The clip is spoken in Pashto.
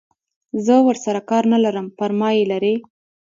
زه ورسره کار نه لرم پر ما یې لري.